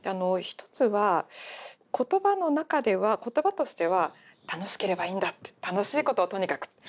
一つは言葉の中では言葉としては「楽しければいいんだ」って「楽しいことをとにかく」